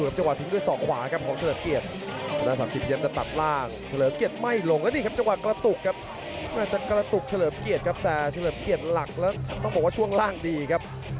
เมื่อจังกระตุกเฉลิมเกียร์ครับแต่เฉลิมเกียร์หลักแล้วต้องบอกว่าช่วงล่างดีครับ